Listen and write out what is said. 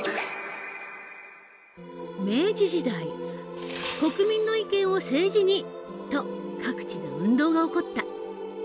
明治時代「国民の意見を政治に！」と各地で運動が起こった。